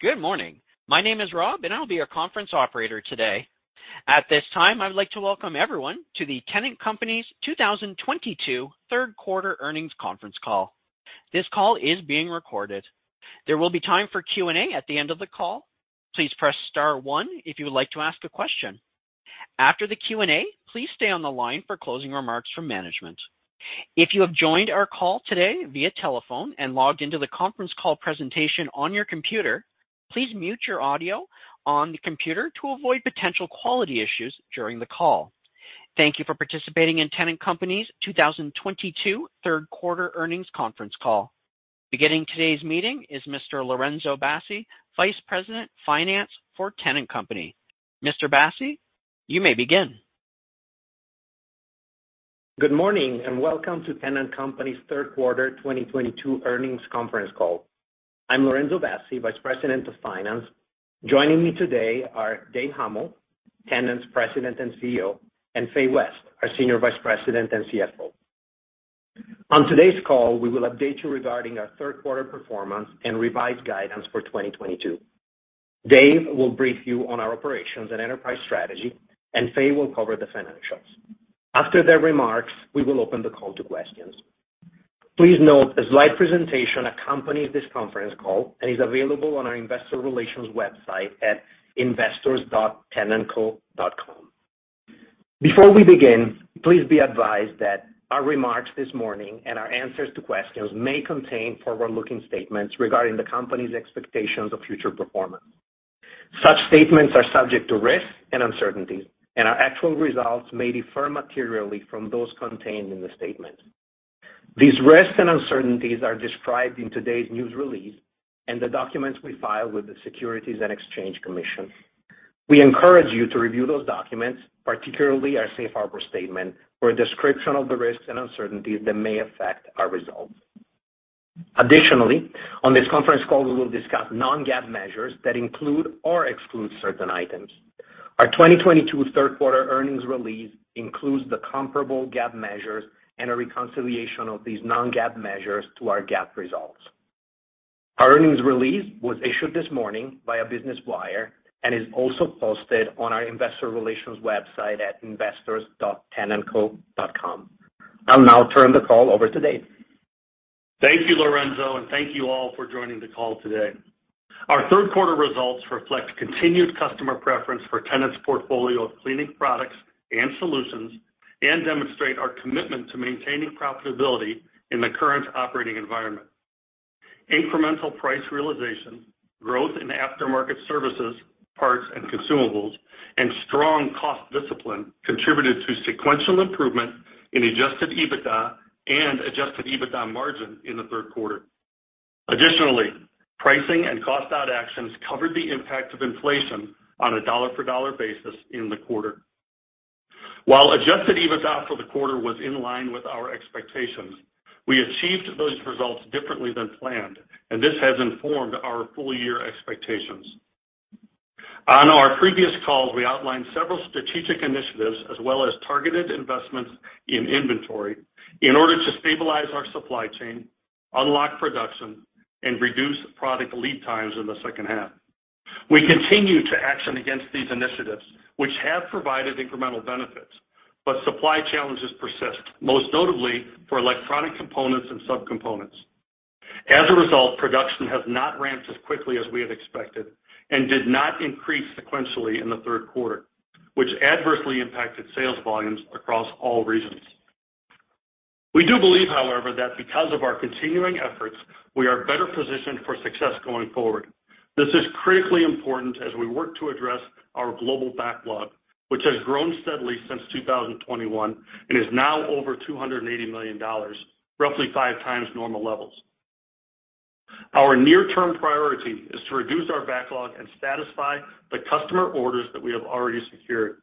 Good morning. My name is Rob, and I'll be your conference operator today. At this time, I would like to welcome everyone to the Tennant Company's 2022 Q3 earnings conference call. This call is being recorded. There will be time for Q&A at the end of the call. Please press star one if you would like to ask a question. After the Q&A, please stay on the line for closing remarks from management. If you have joined our call today via telephone and logged into the conference call presentation on your computer, please mute your audio on the computer to avoid potential quality issues during the call. Thank you for participating in Tennant Company's 2022 Q3 earnings conference call. Beginning today's meeting is Mr. Lorenzo Bassi, Vice President, Finance for Tennant Company. Mr. Bassi, you may begin. Good morning, welcome to Tennant Company's Q3 2022 earnings conference call. I'm Lorenzo Bassi, Vice President of Finance. Joining me today are Dave Huml, Tennant's President and CEO, and Fay West, our Senior Vice President and CFO. On today's call, we will update you regarding our Q3 performance and revised guidance for 2022. Dave will brief you on our operations and enterprise strategy, and Fay will cover the financials. After their remarks, we will open the call to questions. Please note a slide presentation accompanies this conference call and is available on our investor relations website at investors.tennantco.com. Before we begin, please be advised that our remarks this morning and our answers to questions may contain forward-looking statements regarding the company's expectations of future performance. Such statements are subject to risks and uncertainties, and our actual results may differ materially from those contained in the statement. These risks and uncertainties are described in today's news release and the documents we filed with the Securities and Exchange Commission. We encourage you to review those documents, particularly our safe harbor statement, for a description of the risks and uncertainties that may affect our results. Additionally, on this conference call, we will discuss non-GAAP measures that include or exclude certain items. Our 2022 Q3 earnings release includes the comparable GAAP measures and a reconciliation of these non-GAAP measures to our GAAP results. Our earnings release was issued this morning via Business Wire and is also posted on our investor relations website at investors.tennantco.com. I'll now turn the call over to Dave. Thank you, Lorenzo, and thank you all for joining the call today. Our Q3 results reflect continued customer preference for Tennant's portfolio of cleaning products and solutions and demonstrate our commitment to maintaining profitability in the current operating environment. Incremental price realization, growth in aftermarket services, parts, and consumables, and strong cost discipline contributed to sequential improvement in adjusted EBITDA and adjusted EBITDA margin in the Q3. Additionally, pricing and cost out actions covered the impact of inflation on a dollar-for-dollar basis in the quarter. While adjusted EBITDA for the quarter was in line with our expectations, we achieved those results differently than planned, and this has informed our full-year expectations. On our previous calls, we outlined several strategic initiatives as well as targeted investments in inventory in order to stabilize our supply chain, unlock production, and reduce product lead times in the H2. We continue to act on these initiatives, which have provided incremental benefits, but supply challenges persist, most notably for electronic components and subcomponents. As a result, production has not ramped as quickly as we had expected and did not increase sequentially in the Q3, which adversely impacted sales volumes across all regions. We do believe, however, that because of our continuing efforts, we are better positioned for success going forward. This is critically important as we work to address our global backlog, which has grown steadily since 2021 and is now over $280 million, roughly five times normal levels. Our near-term priority is to reduce our backlog and satisfy the customer orders that we have already secured.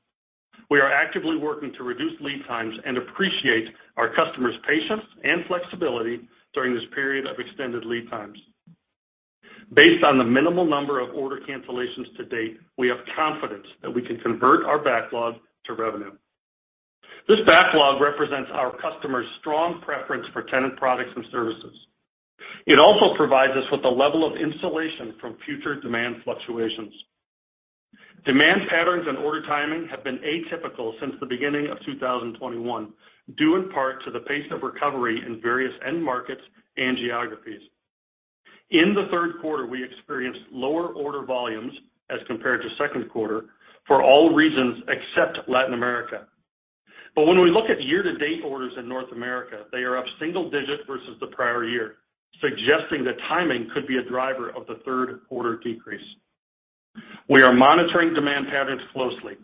We are actively working to reduce lead times and appreciate our customers' patience and flexibility during this period of extended lead times. Based on the minimal number of order cancellations to date, we have confidence that we can convert our backlog to revenue. This backlog represents our customers' strong preference for Tennant products and services. It also provides us with a level of insulation from future demand fluctuations. Demand patterns and order timing have been atypical since the beginning of 2021, due in part to the pace of recovery in various end markets and geographies. In the Q3, we experienced lower order volumes as compared to Q2 for all reasons except Latin America. When we look at year-to-date orders in North America, they are up single digit versus the prior year, suggesting that timing could be a driver of the Q3 decrease. We are monitoring demand patterns closely,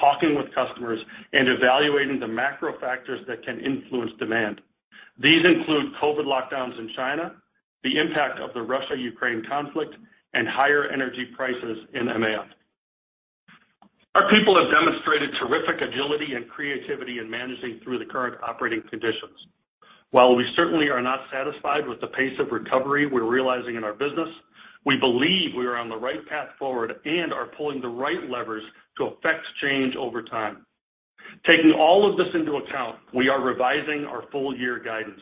talking with customers, and evaluating the macro factors that can influence demand. These include COVID lockdowns in China, the impact of the Russia-Ukraine conflict, and higher energy prices in EMEA. Our people have demonstrated terrific agility and creativity in managing through the current operating conditions. While we certainly are not satisfied with the pace of recovery we're realizing in our business, we believe we are on the right path forward and are pulling the right levers to affect change over time. Taking all of this into account, we are revising our full year guidance.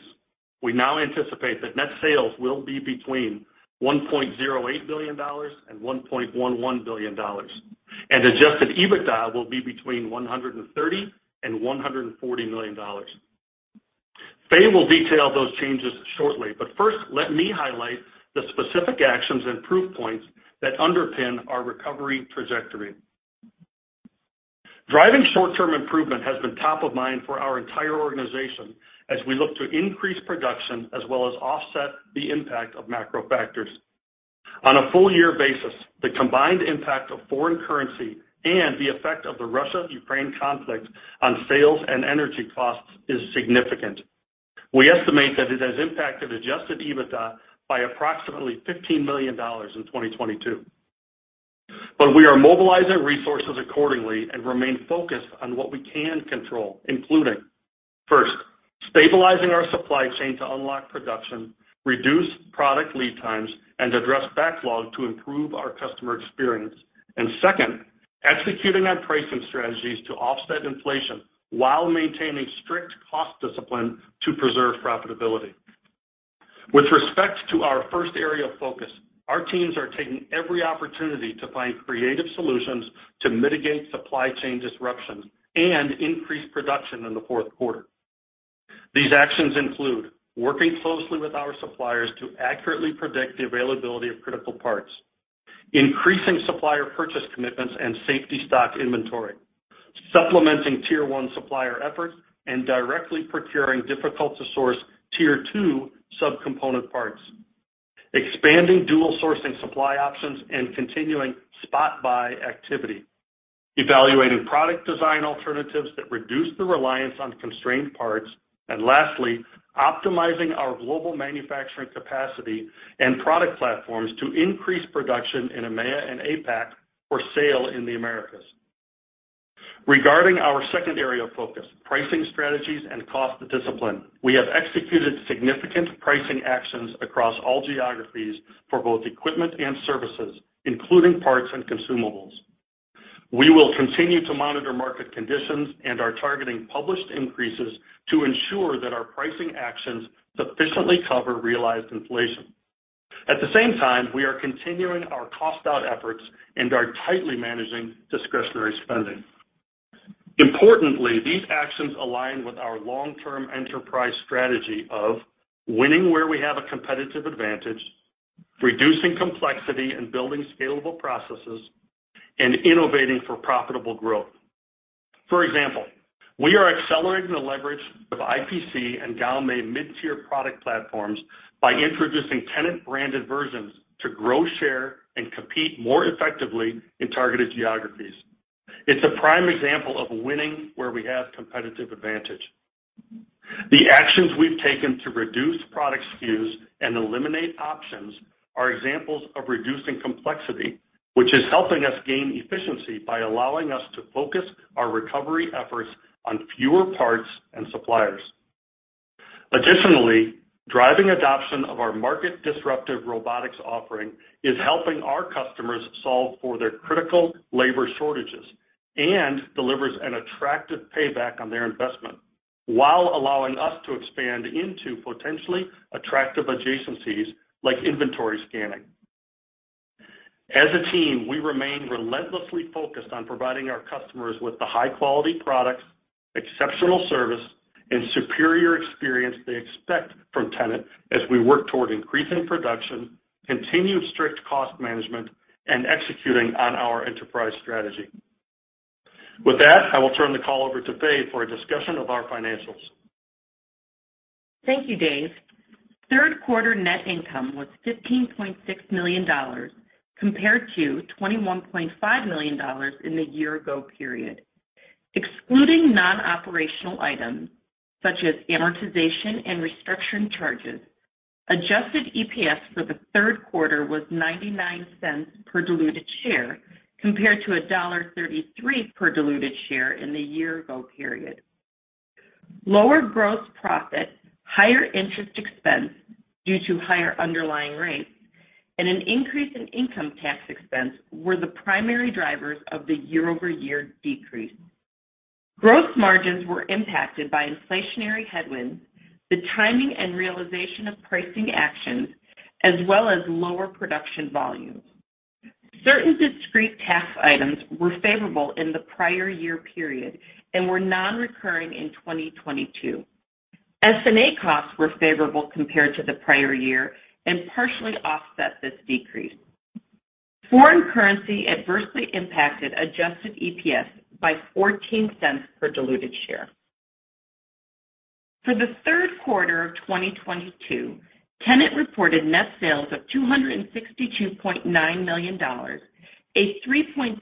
We now anticipate that net sales will be between $1.08 billion and $1.11 billion, and adjusted EBITDA will be between $130 million and $140 million. Fay will detail those changes shortly, but first, let me highlight the specific actions and proof points that underpin our recovery trajectory. Driving short-term improvement has been top of mind for our entire organization as we look to increase production as well as offset the impact of macro factors. On a full year basis, the combined impact of foreign currency and the effect of the Russia-Ukraine conflict on sales and energy costs is significant. We estimate that it has impacted adjusted EBITDA by approximately $15 million in 2022. We are mobilizing resources accordingly and remain focused on what we can control, including, first, stabilizing our supply chain to unlock production, reduce product lead times, and address backlog to improve our customer experience. Second, executing on pricing strategies to offset inflation while maintaining strict cost discipline to preserve profitability. With respect to our first area of focus, our teams are taking every opportunity to find creative solutions to mitigate supply chain disruptions and increase production in the Q4. These actions include working closely with our suppliers to accurately predict the availability of critical parts, increasing supplier purchase commitments and safety stock inventory, supplementing tier one supplier efforts, and directly procuring difficult to source tier two subcomponent parts, expanding dual sourcing supply options and continuing spot buy activity, evaluating product design alternatives that reduce the reliance on constrained parts, and lastly, optimizing our global manufacturing capacity and product platforms to increase production in EMEA and APAC for sale in the Americas. Regarding our second area of focus, pricing strategies and cost discipline. We have executed significant pricing actions across all geographies for both equipment and services, including parts and consumables. We will continue to monitor market conditions and are targeting published increases to ensure that our pricing actions sufficiently cover realized inflation. At the same time, we are continuing our cost out efforts and are tightly managing discretionary spending. Importantly, these actions align with our long-term enterprise strategy of winning where we have a competitive advantage, reducing complexity and building scalable processes, and innovating for profitable growth. For example, we are accelerating the leverage of IPC and Gaomei mid-tier product platforms by introducing Tennant branded versions to grow, share, and compete more effectively in targeted geographies. It's a prime example of winning where we have competitive advantage. The actions we've taken to reduce product SKUs and eliminate options are examples of reducing complexity, which is helping us gain efficiency by allowing us to focus our recovery efforts on fewer parts and suppliers. Additionally, driving adoption of our market-disruptive robotics offering is helping our customers solve for their critical labor shortages and delivers an attractive payback on their investment while allowing us to expand into potentially attractive adjacencies like inventory scanning. As a team, we remain relentlessly focused on providing our customers with the high-quality products, exceptional service, and superior experience they expect from Tennant as we work toward increasing production, continued strict cost management, and executing on our enterprise strategy. With that, I will turn the call over to Fay for a discussion of our financials. Thank you, Dave. Q3 net income was $15.6 million compared to $21.5 million in the year ago period. Excluding non-operational items, such as amortization and restructuring charges, adjusted EPS for the Q3 was $0.99 per diluted share compared to $1.33 per diluted share in the year ago period. Lower gross profit, higher interest expense due to higher underlying rates, and an increase in income tax expense were the primary drivers of the year-over-year decrease. Gross margins were impacted by inflationary headwinds, the timing and realization of pricing actions, as well as lower production volumes. Certain discrete tax items were favorable in the prior year period and were non-recurring in 2022. SG&A costs were favorable compared to the prior year and partially offset this decrease. Foreign currency adversely impacted adjusted EPS by $0.14 per diluted share. For the Q3 of 2022, Tennant reported net sales of $262.9 million, a 3.3%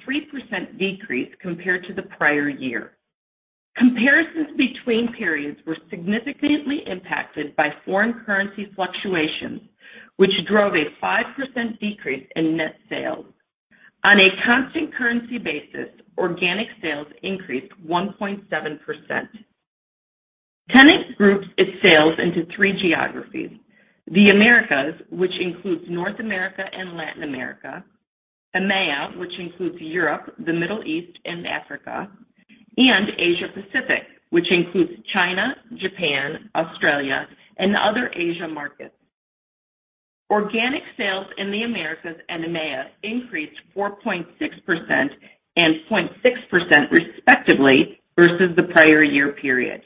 decrease compared to the prior year. Comparisons between periods were significantly impacted by foreign currency fluctuations, which drove a 5% decrease in net sales. On a constant currency basis, organic sales increased 1.7%. Tennant groups its sales into three geographies. The Americas, which includes North America and Latin America. EMEA, which includes Europe, the Middle East and Africa. Asia Pacific, which includes China, Japan, Australia, and other Asia markets. Organic sales in the Americas and EMEA increased 4.6% and 0.6% respectively versus the prior year period.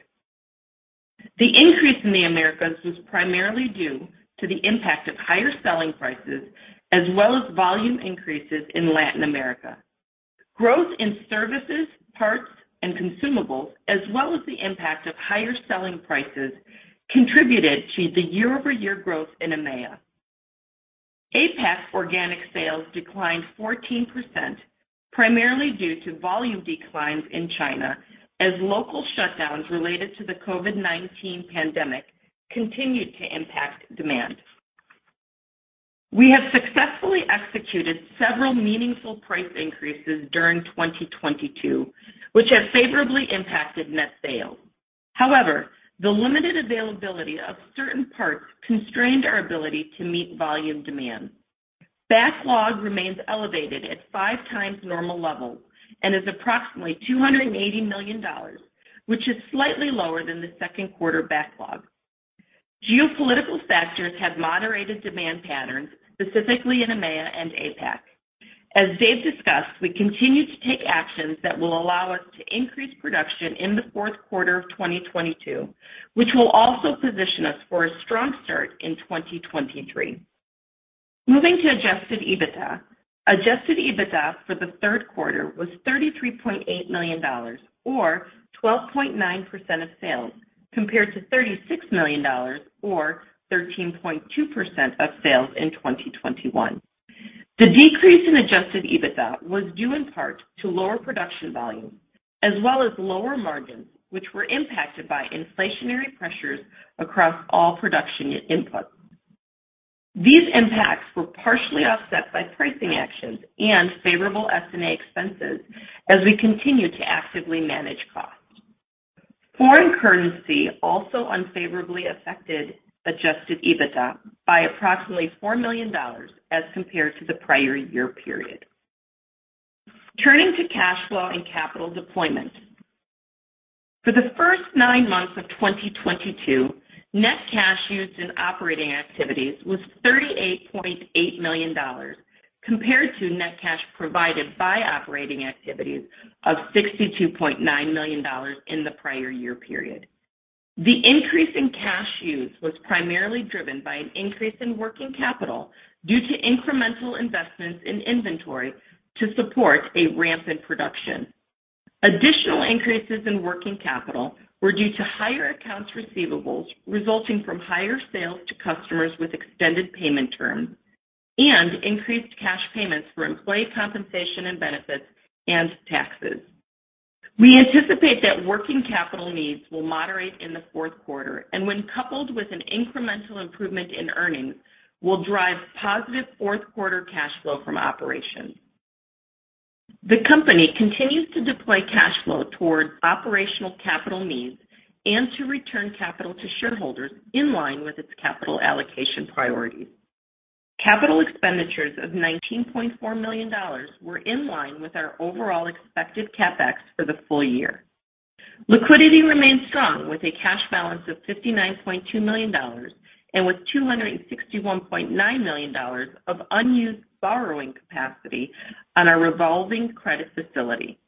The increase in the Americas was primarily due to the impact of higher selling prices as well as volume increases in Latin America. Growth in services, parts, and consumables, as well as the impact of higher selling prices, contributed to the year-over-year growth in EMEA. APAC organic sales declined 14%, primarily due to volume declines in China as local shutdowns related to the COVID-19 pandemic continued to impact demand. We have successfully executed several meaningful price increases during 2022, which have favorably impacted net sales. However, the limited availability of certain parts constrained our ability to meet volume demand. Backlog remains elevated at 5x normal levels and is approximately $280 million, which is slightly lower than the Q2 backlog. Geopolitical factors have moderated demand patterns, specifically in EMEA and APAC. As Dave discussed, we continue to take actions that will allow us to increase production in the Q4 of 2022, which will also position us for a strong start in 2023. Moving to adjusted EBITDA. Adjusted EBITDA for the Q3 was $33.8 million or 12.9% of sales, compared to $36 million or 13.2% of sales in 2021. The decrease in adjusted EBITDA was due in part to lower production volumes as well as lower margins, which were impacted by inflationary pressures across all production inputs. These impacts were partially offset by pricing actions and favorable SG&A expenses as we continue to actively manage costs. Foreign currency also unfavorably affected adjusted EBITDA by approximately $4 million as compared to the prior year period. Turning to cash flow and capital deployment. For the first nine months of 2022, net cash used in operating activities was $38.8 million, compared to net cash provided by operating activities of $62.9 million in the prior year period. The increase in cash use was primarily driven by an increase in working capital due to incremental investments in inventory to support a ramp in production. Additional increases in working capital were due to higher accounts receivables resulting from higher sales to customers with extended payment terms and increased cash payments for employee compensation and benefits and taxes. We anticipate that working capital needs will moderate in the Q4 and when coupled with an incremental improvement in earnings, will drive positive Q4 cash flow from operations. The company continues to deploy cash flow towards operational capital needs and to return capital to shareholders in line with its capital allocation priorities. Capital expenditures of $19.4 million were in line with our overall expected CapEx for the full year. Liquidity remains strong with a cash balance of $59.2 million and with $261.9 million of unused borrowing capacity on our revolving credit facility.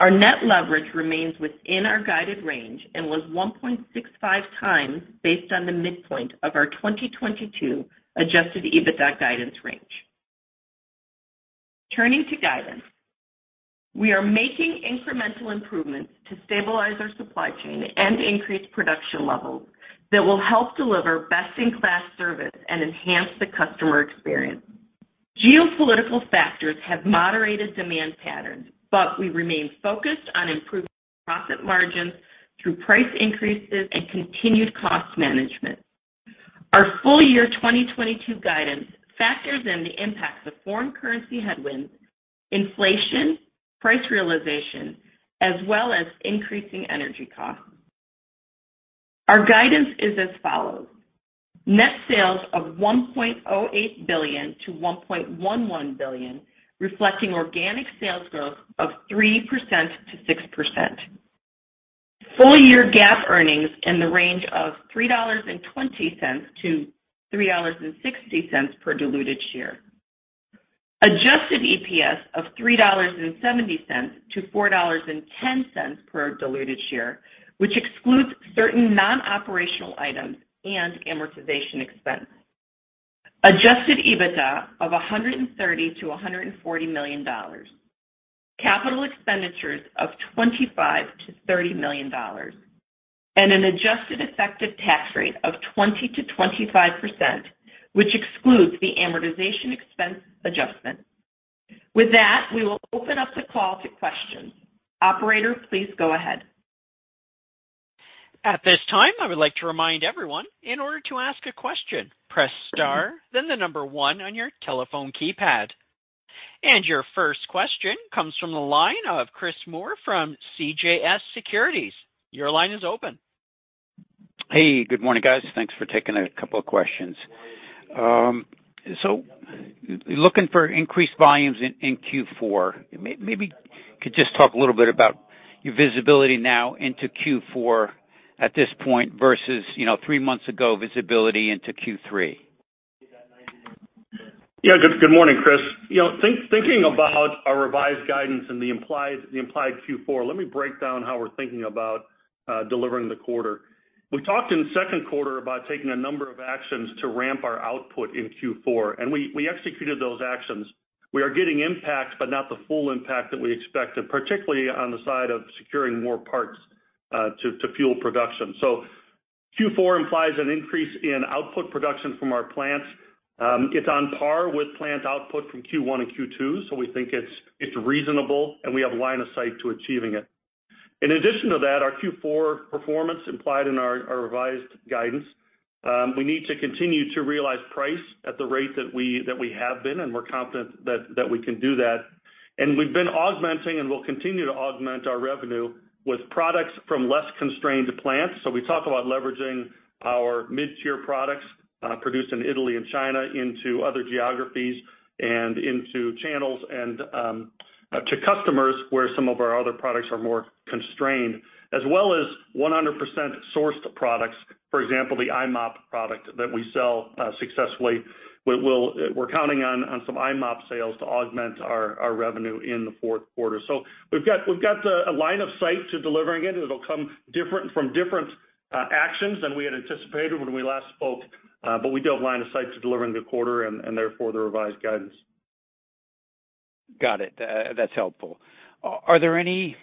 Our net leverage remains within our guided range and was 1.6 times based on the midpoint of our 2022 adjusted EBITDA guidance range. Turning to guidance. We are making incremental improvements to stabilize our supply chain and increase production levels that will help deliver best-in-class service and enhance the customer experience. Geopolitical factors have moderated demand patterns, but we remain focused on improving profit margins through price increases and continued cost management. Our full year 2022 guidance factors in the impacts of foreign currency headwinds, inflation, price realization, as well as increasing energy costs. Our guidance is as follows. Net sales of $1.08 billion to $1.11 billion, reflecting organic sales growth of 3%-6%. Full year GAAP earnings in the range of $3.20-$3.60 per diluted share. Adjusted EPS of $3.70-$4.10 per diluted share, which excludes certain non-operational items and amortization expense. Adjusted EBITDA of $130-140 million. Capital expenditures of $25-30 million. An adjusted effective tax rate of 20%-25%, which excludes the amortization expense adjustment. With that, we will open up the call to questions. Operator, please go ahead. At this time, I would like to remind everyone, in order to ask a question, press star then the number one on your telephone keypad. Your first question comes from the line of Chris Moore from CJS Securities. Your line is open. Hey, good morning, guys. Thanks for taking a couple of questions. Looking for increased volumes in Q4, maybe could just talk a little bit about your visibility now into Q4 at this point versus, you know, three months ago visibility into Q3. Yeah. Good morning, Chris. You know, thinking about our revised guidance and the implied Q4, let me break down how we're thinking about delivering the quarter. We talked in the Q2 about taking a number of actions to ramp our output in Q4, and we executed those actions. We are getting impact, but not the full impact that we expected, particularly on the side of securing more parts to fuel production. Q4 implies an increase in output production from our plants. It's on par with plant output from Q1 and Q2, so we think it's reasonable, and we have line of sight to achieving it. In addition to that, our Q4 performance implied in our revised guidance, we need to continue to realize price at the rate that we have been, and we're confident that we can do that. We've been augmenting and we'll continue to augment our revenue with products from less constrained plants. We talk about leveraging our mid-tier products produced in Italy and China into other geographies and into channels and to customers where some of our other products are more constrained, as well as 100% sourced products. For example, the i-mop product that we sell successfully. We're counting on some i-mop sales to augment our revenue in the Q4. We've got the line of sight to delivering it. It'll come from different actions than we had anticipated when we last spoke. We do have line of sight to delivering the quarter and therefore the revised guidance. Got it. That's helpful. Are there any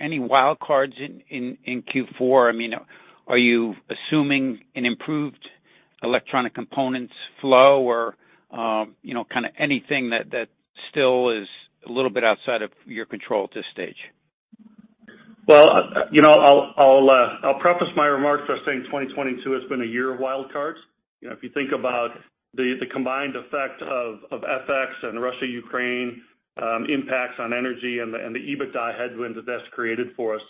wild cards in Q4? I mean, are you assuming an improved electronic components flow or, you know, kind of anything that still is a little bit outside of your control at this stage? Well, you know, I'll preface my remarks by saying 2022 has been a year of wild cards. You know, if you think about the combined effect of FX and Russia-Ukraine impacts on energy and the EBITDA headwind that has created for us,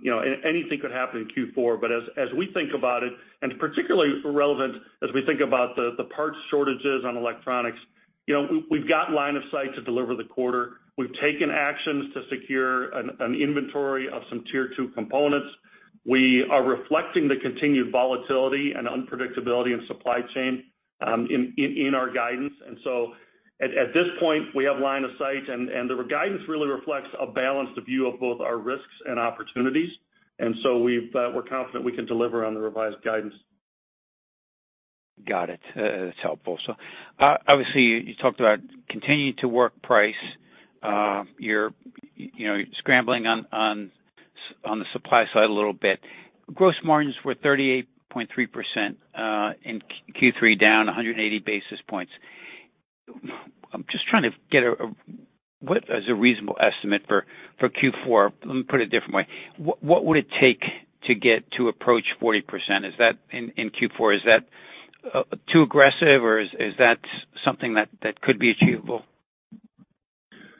you know, anything could happen in Q4. As we think about it, and particularly relevant as we think about the parts shortages on electronics, you know, we've got line of sight to deliver the quarter. We've taken actions to secure an inventory of some tier two components. We are reflecting the continued volatility and unpredictability in supply chain in our guidance. At this point, we have line of sight and the guidance really reflects a balanced view of both our risks and opportunities. We're confident we can deliver on the revised guidance. Got it. That's helpful. Obviously, you talked about continuing to work price. You're, you know, scrambling on the supply side a little bit. Gross margins were 38.3% in Q3, down 180 basis points. I'm just trying to get what is a reasonable estimate for Q4? Let me put it a different way. What would it take to approach 40%? Is that in Q4 too aggressive or is that something that could be achievable?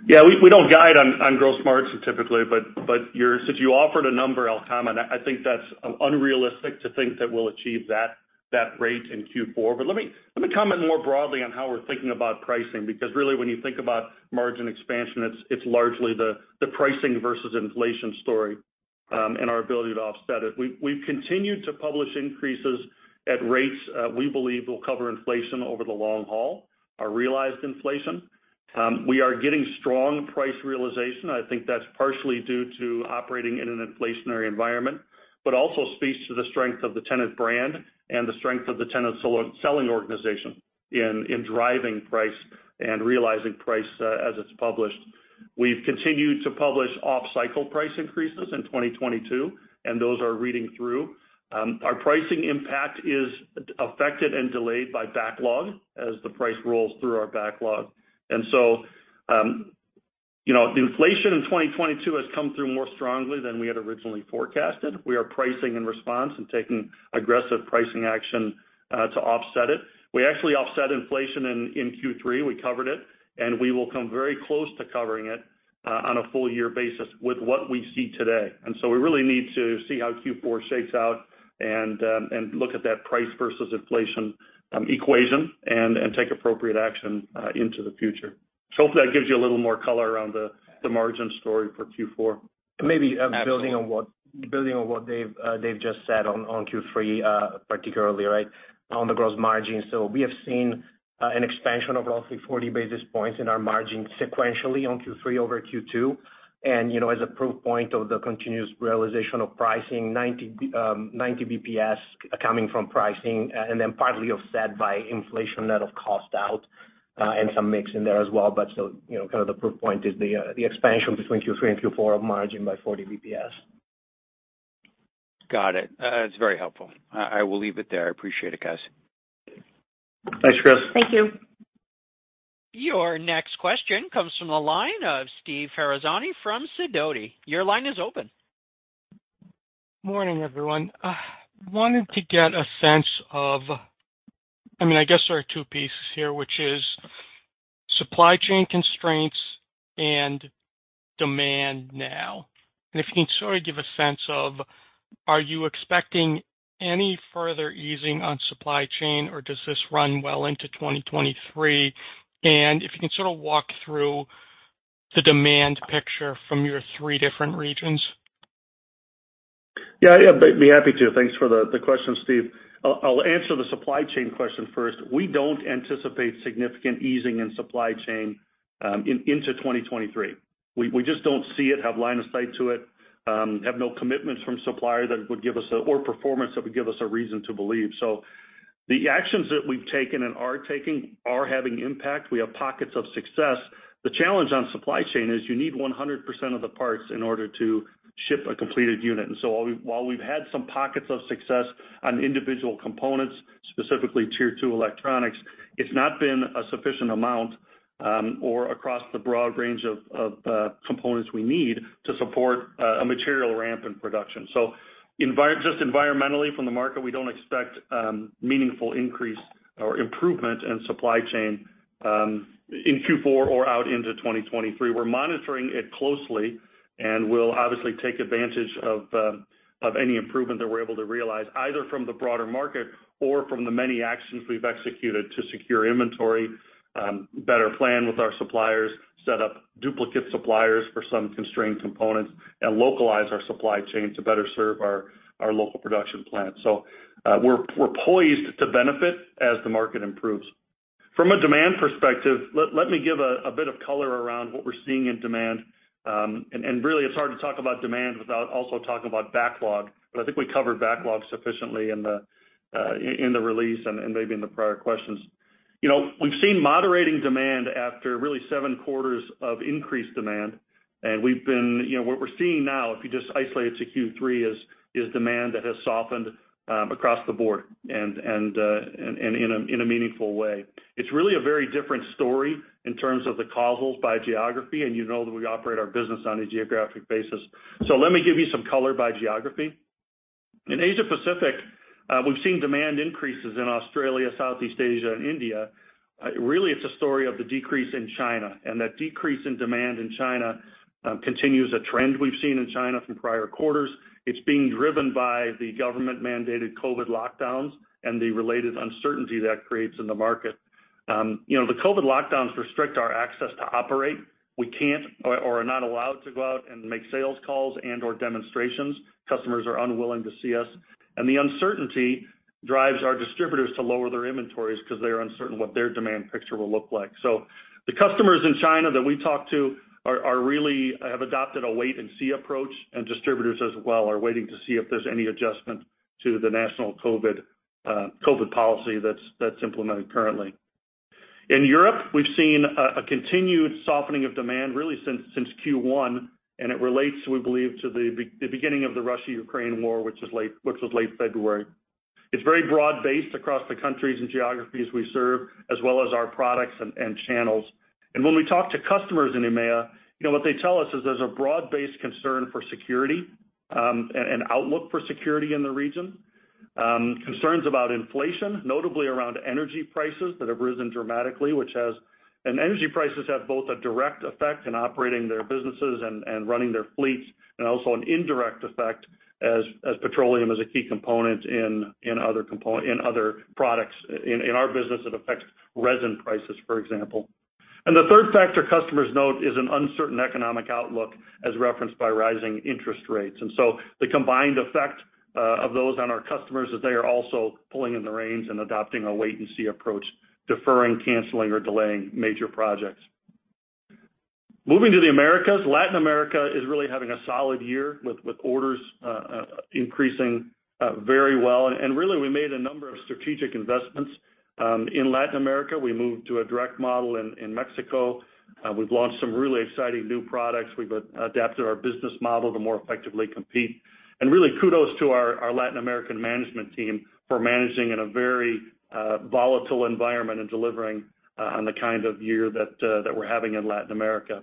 Yeah. We don't guide on gross margins typically. Since you offered a number, I'll comment. I think that's unrealistic to think that we'll achieve that rate in Q4. Let me comment more broadly on how we're thinking about pricing, because really when you think about margin expansion, it's largely the pricing versus inflation story, and our ability to offset it. We've continued to publish increases at rates we believe will cover inflation over the long haul, our realized inflation. We are getting strong price realization. I think that's partially due to operating in an inflationary environment, but also speaks to the strength of the Tennant brand and the strength of the Tennant selling organization in driving price and realizing price, as it's published. We've continued to publish off-cycle price increases in 2022, and those are reading through. Our pricing impact is affected and delayed by backlog as the price rolls through our backlog. You know, the inflation in 2022 has come through more strongly than we had originally forecasted. We are pricing in response and taking aggressive pricing action to offset it. We actually offset inflation in Q3, we covered it, and we will come very close to covering it on a full year basis with what we see today. We really need to see how Q4 shakes out and look at that price versus inflation equation and take appropriate action into the future. Hopefully that gives you a little more color around the margin story for Q4. Maybe building on what. Absolutely. Building on what Dave just said on Q3, particularly, right? On the gross margin. We have seen an expansion of roughly 40 basis points in our margin sequentially on Q3 over Q2. You know, as a proof point of the continuous realization of pricing, 90 bps coming from pricing and then partly offset by inflation net of cost out, and some mix in there as well. You know, kind of the proof point is the expansion between Q3 and Q4 of margin by 40 bps. Got it. It's very helpful. I will leave it there. I appreciate it, guys. Thanks, Chris. Thank you. Your next question comes from the line of Steve Ferazani from Sidoti. Your line is open. Morning, everyone. Wanted to get a sense of, I mean, I guess there are two pieces here, which is supply chain constraints and demand now. If you can sort of give a sense of, are you expecting any further easing on supply chain, or does this run well into 2023? If you can sort of walk through the demand picture from your three different regions. Yeah, be happy to. Thanks for the question, Steve. I'll answer the supply chain question first. We don't anticipate significant easing in supply chain into 2023. We just don't see it, have line of sight to it, have no commitments from suppliers that would give us or performance that would give us a reason to believe. The actions that we've taken and are taking are having impact. We have pockets of success. The challenge on supply chain is you need 100% of the parts in order to ship a completed unit. While we've had some pockets of success on individual components, specifically tier two electronics, it's not been a sufficient amount or across the broad range of components we need to support a material ramp in production. Just environmentally from the market, we don't expect meaningful increase or improvement in supply chain in Q4 or out into 2023. We're monitoring it closely and we'll obviously take advantage of any improvement that we're able to realize, either from the broader market or from the many actions we've executed to secure inventory, better plan with our suppliers, set up duplicate suppliers for some constrained components, and localize our supply chain to better serve our local production plants. We're poised to benefit as the market improves. From a demand perspective, let me give a bit of color around what we're seeing in demand. Really, it's hard to talk about demand without also talking about backlog. I think we covered backlog sufficiently in the release and maybe in the prior questions. You know, we've seen moderating demand after really seven quarters of increased demand. You know, what we're seeing now, if you just isolate it to Q3, is demand that has softened across the board and in a meaningful way. It's really a very different story in terms of the causes by geography, and you know that we operate our business on a geographic basis. Let me give you some color by geography. In Asia Pacific, we've seen demand increases in Australia, Southeast Asia, and India. Really, it's a story of the decrease in China. That decrease in demand in China continues a trend we've seen in China from prior quarters. It's being driven by the government-mandated COVID lockdowns and the related uncertainty that creates in the market. You know, the COVID lockdowns restrict our access to operate. We can't or are not allowed to go out and make sales calls and/or demonstrations. Customers are unwilling to see us. The uncertainty drives our distributors to lower their inventories 'cause they're uncertain what their demand picture will look like. The customers in China that we talk to are really have adopted a wait and see approach, and distributors as well are waiting to see if there's any adjustment to the national COVID policy that's implemented currently. In Europe, we've seen a continued softening of demand really since Q1, and it relates, we believe, to the beginning of the Russia-Ukraine war, which was late February. It's very broad-based across the countries and geographies we serve, as well as our products and channels. When we talk to customers in EMEA, you know, what they tell us is there's a broad-based concern for security and outlook for security in the region. Concerns about inflation, notably around energy prices that have risen dramatically. Energy prices have both a direct effect in operating their businesses and running their fleets, and also an indirect effect as petroleum is a key component in other products. In our business, it affects resin prices, for example. The third factor customers note is an uncertain economic outlook as referenced by rising interest rates. The combined effect of those on our customers is they are also pulling in the reins and adopting a wait and see approach, deferring, canceling, or delaying major projects. Moving to the Americas, Latin America is really having a solid year with orders increasing very well. Really, we made a number of strategic investments in Latin America. We moved to a direct model in Mexico. We've launched some really exciting new products. We've adapted our business model to more effectively compete. Really kudos to our Latin American management team for managing in a very volatile environment and delivering on the kind of year that we're having in Latin America.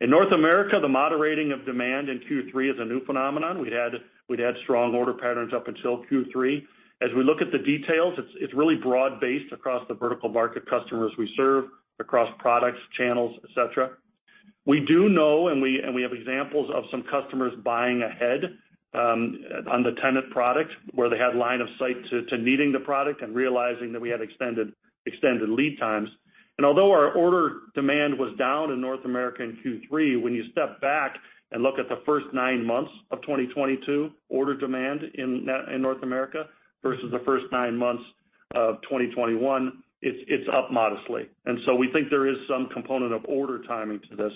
In North America, the moderating of demand in Q3 is a new phenomenon. We'd had strong order patterns up until Q3. As we look at the details, it's really broad-based across the vertical market customers we serve, across products, channels, et cetera. We do know and we have examples of some customers buying ahead on the Tennant product where they had line of sight to needing the product and realizing that we had extended lead times. Although our order demand was down in North America in Q3, when you step back and look at the first nine months of 2022 order demand in North America versus the first nine months of 2021, it's up modestly. We think there is some component of order timing to this.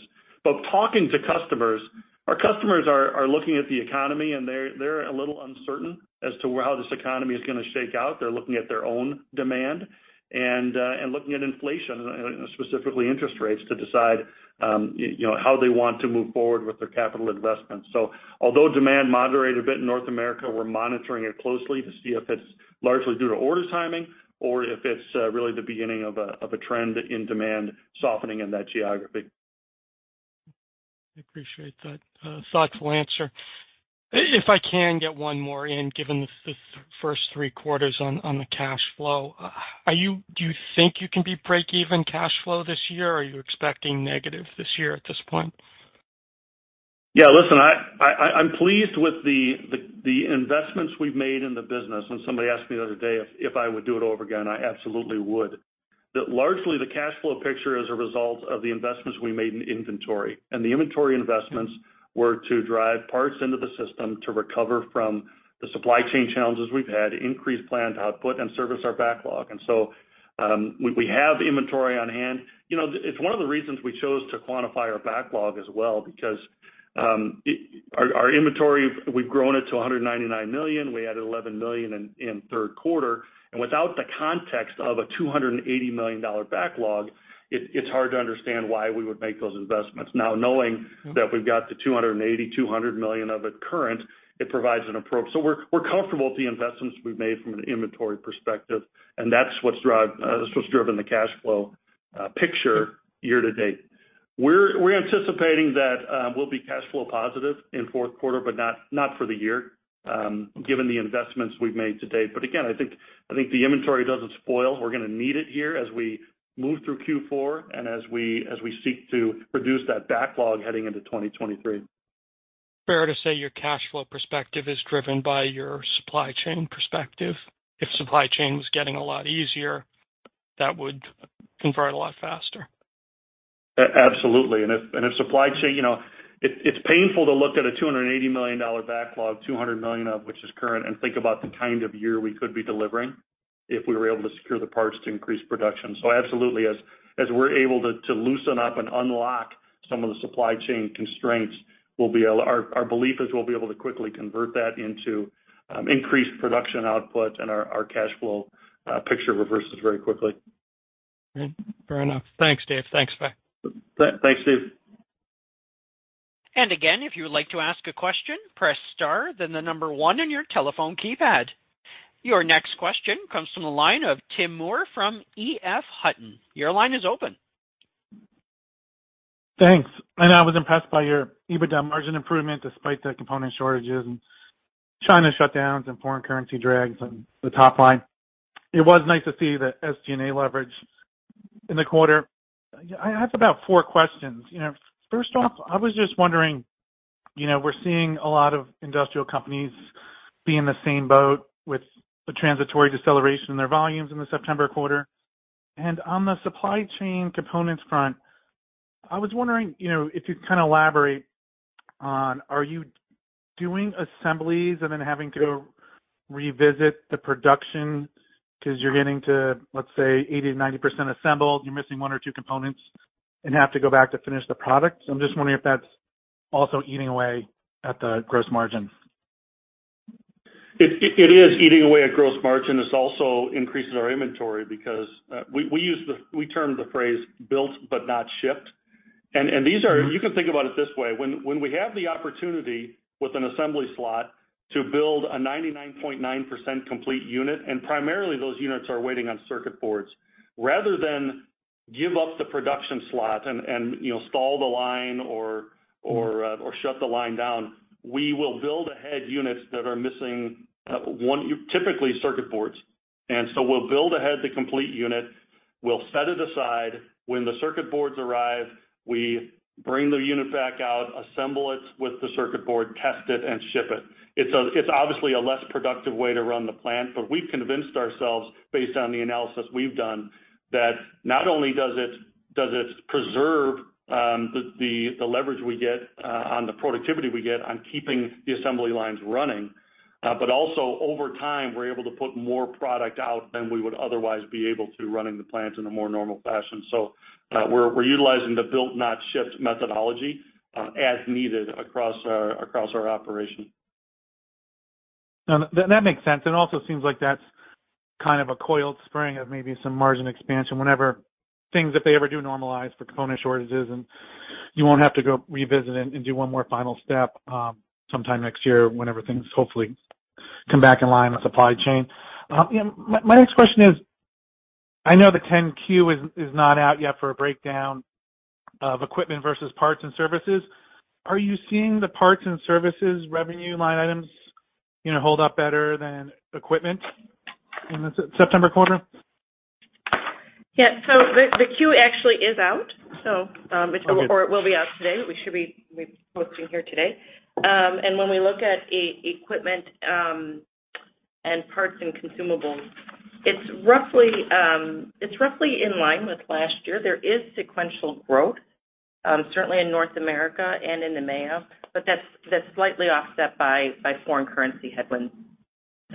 Talking to customers, our customers are looking at the economy and they're a little uncertain as to how this economy is gonna shake out. They're looking at their own demand and looking at inflation, specifically interest rates, to decide, you know, how they want to move forward with their capital investments. Although demand moderated a bit in North America, we're monitoring it closely to see if it's largely due to order timing or if it's really the beginning of a trend in demand softening in that geography. I appreciate that, thoughtful answer. If I can get one more in, given this, the first three quarters on the cash flow, do you think you can be breakeven cash flow this year or are you expecting negative this year at this point? Yeah. Listen, I'm pleased with the investments we've made in the business. When somebody asked me the other day if I would do it over again, I absolutely would. But largely, the cash flow picture is a result of the investments we made in inventory. The inventory investments were to drive parts into the system to recover from the supply chain challenges we've had, increase planned output, and service our backlog. We have inventory on hand. It's one of the reasons we chose to quantify our backlog as well because our inventory, we've grown it to $199 million. We added $11 million in Q3. Without the context of a $280 million backlog, it's hard to understand why we would make those investments. Now, knowing that we've got the $280-200 million of it current, it provides an approach. We're comfortable with the investments we've made from an inventory perspective, and that's what's driven the cash flow picture year to date. We're anticipating that we'll be cash flow positive in Q4, but not for the year, given the investments we've made to date. Again, I think the inventory doesn't spoil. We're gonna need it here as we move through Q4 and as we seek to reduce that backlog heading into 2023. Fair to say your cash flow perspective is driven by your supply chain perspective. If supply chain was getting a lot easier, that would convert a lot faster. Absolutely. If supply chain, you know, it's painful to look at a $280 million backlog, $200 million of which is current, and think about the kind of year we could be delivering if we were able to secure the parts to increase production. Absolutely, as we're able to loosen up and unlock some of the supply chain constraints, our belief is we'll be able to quickly convert that into increased production output and our cash flow picture reverses very quickly. All right. Fair enough. Thanks, Dave. Thanks, Nick. Thanks, Dave. Again, if you would like to ask a question, press star then the number one on your telephone keypad. Your next question comes from the line of Tim Moore from EF Hutton. Your line is open. Thanks. I was impressed by your EBITDA margin improvement despite the component shortages and China shutdowns and foreign currency drags on the top line. It was nice to see the SG&A leverage in the quarter. I have about four questions. You know, first off, I was just wondering, you know, we're seeing a lot of industrial companies be in the same boat with the transitory deceleration in their volumes in the September quarter. On the supply chain components front, I was wondering, you know, if you could kind of elaborate on are you doing assemblies and then having to revisit the production because you're getting to, let's say, 80%-90% assembled, you're missing one or two components and have to go back to finish the product? I'm just wondering if that's also eating away at the gross margin. It is eating away at gross margin. This also increases our inventory because we use the phrase built but not shipped. These are. You can think about it this way. When we have the opportunity with an assembly slot to build a 99.9% complete unit, and primarily those units are waiting on circuit boards, rather than give up the production slot and stall the line or shut the line down, we will build ahead units that are missing one, typically circuit boards. We'll build ahead the complete unit. We'll set it aside. When the circuit boards arrive, we bring the unit back out, assemble it with the circuit board, test it, and ship it. It's obviously a less productive way to run the plant, but we've convinced ourselves based on the analysis we've done that not only does it preserve the leverage we get on the productivity we get on keeping the assembly lines running, but also over time, we're able to put more product out than we would otherwise be able to running the plants in a more normal fashion. We're utilizing the built but not shipped methodology as needed across our operation. No, that makes sense. Also seems like that's kind of a coiled spring of maybe some margin expansion whenever things, if they ever do normalize for component shortages, and you won't have to go revisit it and do one more final step sometime next year whenever things hopefully come back in line on supply chain. My next question is, I know the 10-Q is not out yet for a breakdown of equipment versus parts and services. Are you seeing the parts and services revenue line items, you know, hold up better than equipment in the September quarter? Yeah. The Q actually is out. It's a report. It will be out today. We should be posting here today. When we look at equipment and parts and consumables, it's roughly in line with last year. There is sequential growth, certainly, in North America and in the EMEA, but that's slightly offset by foreign currency headwinds.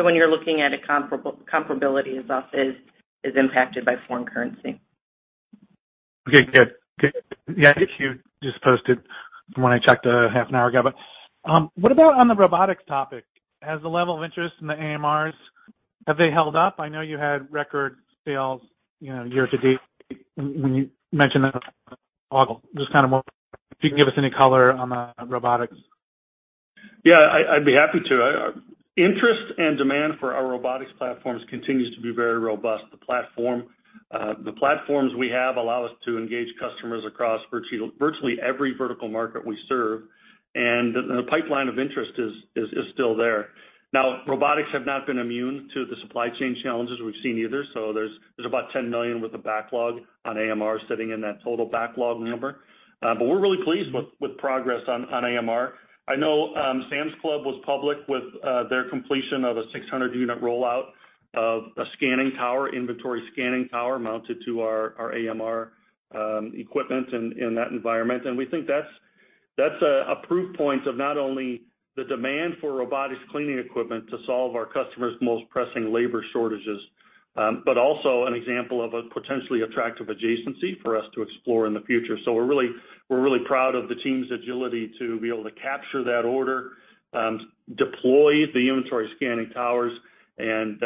When you're looking at comparability, it is also impacted by foreign currency. Okay, good. Good. Yeah, I think you just posted when I checked a half an hour ago. What about on the robotics topic? Has the level of interest in the AMRs, have they held up? I know you had record sales, you know, year to date when you mentioned that in August. Just kind of if you can give us any color on the robotics. Yeah, I'd be happy to. Interest and demand for our robotics platforms continues to be very robust. The platforms we have allow us to engage customers across virtually every vertical market we serve, and the pipeline of interest is still there. Now, robotics have not been immune to the supply chain challenges we've seen either, so there's about $10 million worth of backlog on AMR sitting in that total backlog number. We're really pleased with progress on AMR. I know, Sam's Club was public with their completion of a 600-unit rollout of a scanning tower, inventory scanning tower mounted to our AMR equipment in that environment. We think that's a proof point of not only the demand for robotics cleaning equipment to solve our customers' most pressing labor shortages, but also an example of a potentially attractive adjacency for us to explore in the future. We're really proud of the team's agility to be able to capture that order, deploy the inventory scanning towers and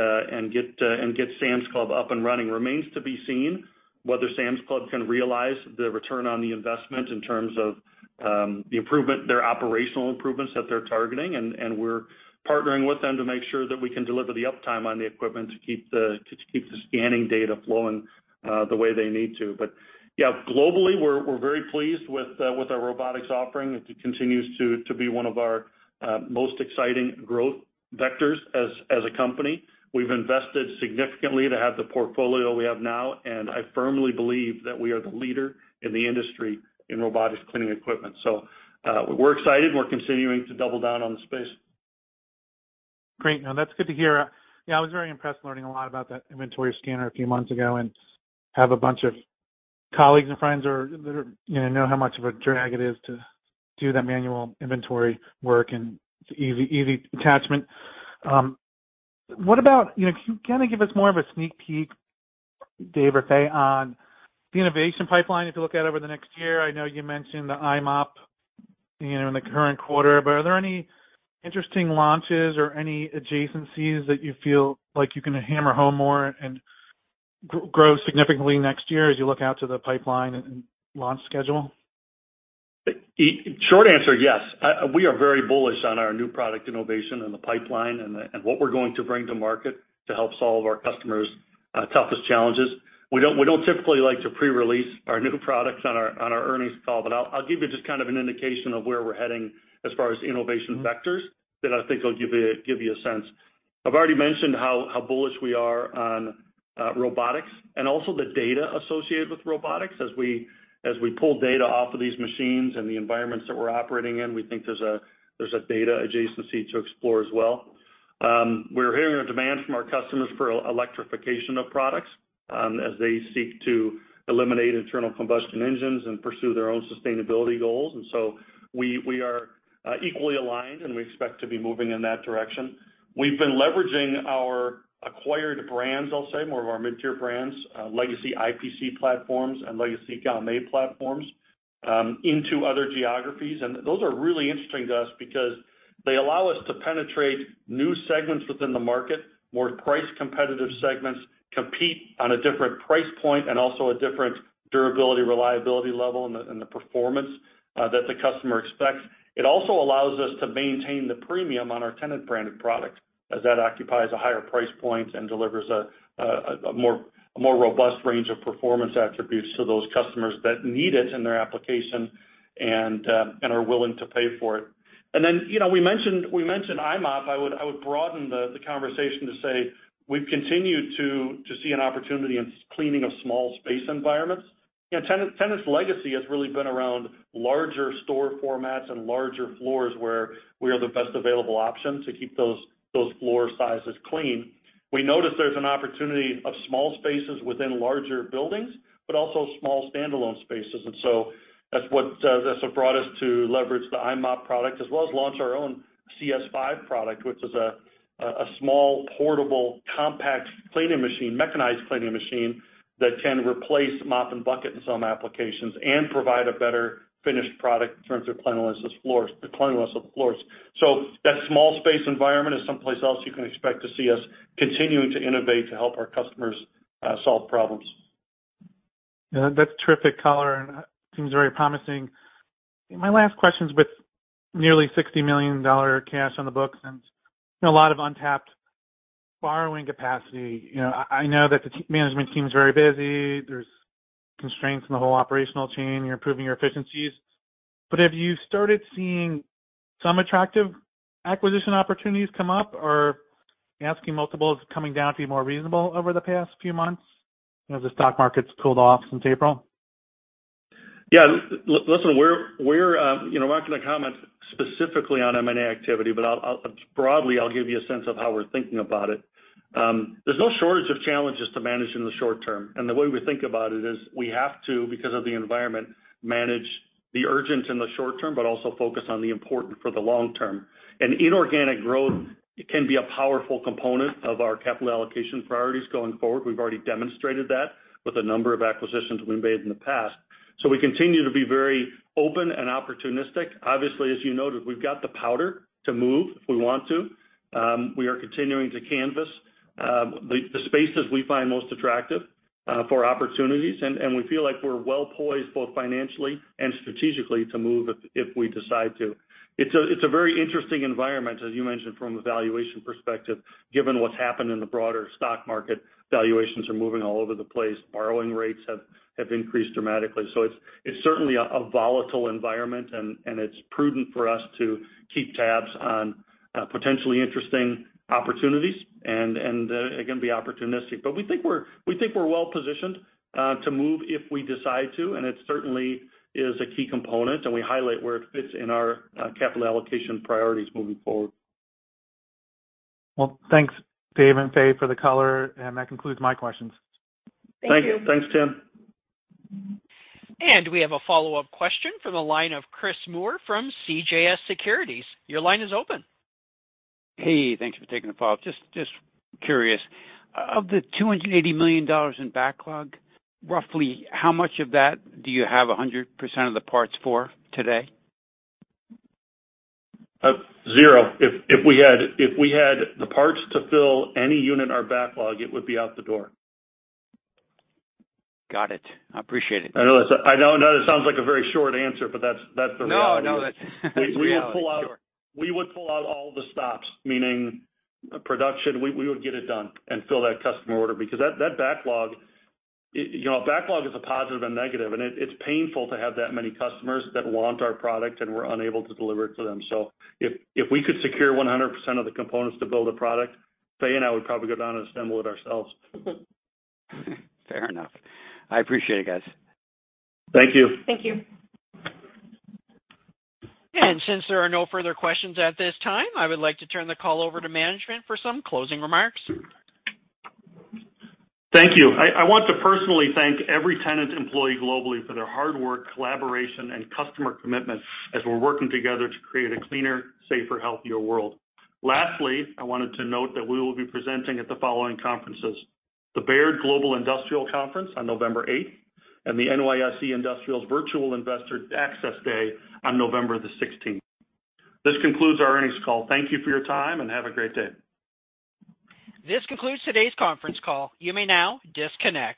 get Sam's Club up and running. It remains to be seen whether Sam's Club can realize the return on the investment in terms of the improvement, their operational improvements that they're targeting, and we're partnering with them to make sure that we can deliver the uptime on the equipment to keep the scanning data flowing the way they need to. Yeah, globally, we're very pleased with our robotics offering. It continues to be one of our most exciting growth vectors as a company. We've invested significantly to have the portfolio we have now, and I firmly believe that we are the leader in the industry in robotics cleaning equipment. We're excited. We're continuing to double down on the space. Great. No, that's good to hear. Yeah, I was very impressed learning a lot about that inventory scanner a few months ago, and have a bunch of colleagues and friends that are, you know how much of a drag it is to do that manual inventory work, and it's an easy attachment. What about, you know, can you give us more of a sneak peek, Dave or Fay, on the innovation pipeline, if you look out over the next year? I know you mentioned the i-mop, you know, in the current quarter, but are there any interesting launches or any adjacencies that you feel like you can hammer home more and grow significantly next year as you look out to the pipeline and launch schedule? Short answer, yes. We are very bullish on our new product innovation in the pipeline and what we're going to bring to market to help solve our customers' toughest challenges. We don't typically like to pre-release our new products on our earnings call, but I'll give you just kind of an indication of where we're heading as far as innovation vectors that I think will give you a sense. I've already mentioned how bullish we are on robotics and also the data associated with robotics. As we pull data off of these machines and the environments that we're operating in, we think there's a data adjacency to explore as well. We're hearing a demand from our customers for electrification of products, as they seek to eliminate internal combustion engines and pursue their own sustainability goals. We are equally aligned, and we expect to be moving in that direction. We've been leveraging our acquired brands, I'll say, more of our mid-tier brands, legacy IPC platforms and legacy Gaomei platforms, into other geographies. Those are really interesting to us because they allow us to penetrate new segments within the market, more price competitive segments, compete on a different price point and also a different durability, reliability level in the performance that the customer expects. It also allows us to maintain the premium on our Tennant branded products, as that occupies a higher price point and delivers a more robust range of performance attributes to those customers that need it in their application and are willing to pay for it. Then, you know, we mentioned i-mop. I would broaden the conversation to say we've continued to see an opportunity in cleaning of small space environments. You know, Tennant’s legacy has really been around larger store formats and larger floors, where we are the best available option to keep those floor sizes clean. We noticed there's an opportunity of small spaces within larger buildings, but also small standalone spaces. That's what brought us to leverage the i-mop product as well as launch our own CS5 product, which is a small, portable, compact cleaning machine, mechanized cleaning machine that can replace mop and bucket in some applications and provide a better finished product in terms of cleanliness of floors. That small space environment is someplace else you can expect to see us continuing to innovate to help our customers solve problems. Yeah. That's terrific color and seems very promising. My last question is with nearly $60 million cash on the books and, you know, a lot of untapped borrowing capacity. You know, I know that the management team is very busy. There's constraints in the whole operational chain. You're improving your efficiencies. Have you started seeing some attractive acquisition opportunities come up or asking multiples coming down to be more reasonable over the past few months as the stock market's cooled off since April? Yeah. Listen, we're, you know, I'm not gonna comment specifically on M&A activity, but broadly, I'll give you a sense of how we're thinking about it. There's no shortage of challenges to manage in the short term, and the way we think about it is we have to, because of the environment, manage the urgent in the short term, but also focus on the important for the long term. Inorganic growth can be a powerful component of our capital allocation priorities going forward. We've already demonstrated that with a number of acquisitions we've made in the past. We continue to be very open and opportunistic. Obviously, as you noted, we've got the powder to move if we want to. We are continuing to canvass the spaces we find most attractive for opportunities, and we feel like we're well-poised both financially and strategically to move if we decide to. It's a very interesting environment, as you mentioned, from a valuation perspective, given what's happened in the broader stock market, valuations are moving all over the place. Borrowing rates have increased dramatically. It's certainly a volatile environment and it's prudent for us to keep tabs on potentially interesting opportunities and again, be opportunistic. We think we're well-positioned to move if we decide to, and it certainly is a key component, and we highlight where it fits in our capital allocation priorities moving forward. Well, thanks, Dave and Fay, for the color. That concludes my questions. Thank you. Thank you. Thanks, Tim. We have a follow-up question from the line of Chris Moore from CJS Securities. Your line is open. Hey, thanks for taking the call. Just curious, of the $280 million in backlog, roughly how much of that do you have 100% of the parts for today? Zero. If we had the parts to fill any unit or backlog, it would be out the door. Got it. I appreciate it. I know this sounds like a very short answer, but that's the reality. No, no, that's the reality. Sure. We would pull out all the stops, meaning production. We would get it done and fill that customer order because that backlog, you know, backlog is a positive and negative, and it's painful to have that many customers that want our product and we're unable to deliver it to them. So if we could secure 100% of the components to build a product, Fay and I would probably go down and assemble it ourselves. Fair enough. I appreciate it, guys. Thank you. Thank you. Since there are no further questions at this time, I would like to turn the call over to management for some closing remarks. Thank you. I want to personally thank every Tennant employee globally for their hard work, collaboration, and customer commitment as we're working together to create a cleaner, safer, healthier world. Lastly, I wanted to note that we will be presenting at the following conferences, the Baird Global Industrial Conference on November 8, and the NYSE Industrials Virtual Investor Access Day on November 16. This concludes our earnings call. Thank you for your time, and have a great day. This concludes today's conference call. You may now disconnect.